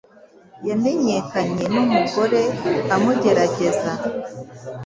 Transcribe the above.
Yamenyekanye numugore amugerageza